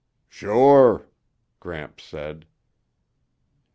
"Sure," Gramps said.